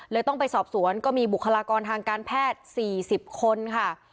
ต้องไปสอบสวนก็มีบุคลากรทางการแพทย์๔๐คนค่ะ